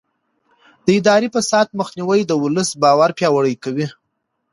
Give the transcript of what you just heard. د اداري فساد مخنیوی د ولس باور پیاوړی کوي.